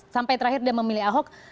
sampai terakhir dia memilih ahok